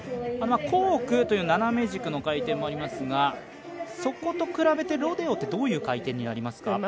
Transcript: コークという斜め軸の回転もありますがそこと比べて、ロデオってどういう回転になりますか？